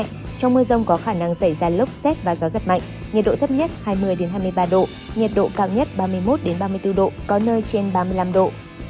trong mưa rông có khả năng xảy ra lốc xét và gió giật mạnh nhiệt độ thấp nhất hai mươi hai mươi ba độ nhiệt độ cao nhất ba mươi một ba mươi bốn độ có nơi trên ba mươi năm độ